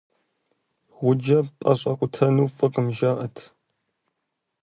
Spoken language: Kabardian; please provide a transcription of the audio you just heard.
Гъуджэ пӀэщӀэкъутэну фӀыкъым, жаӀэрт.